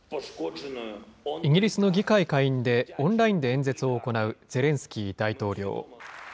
イギリスの議会下院で、オンラインで演説を行うゼレンスキー大統領。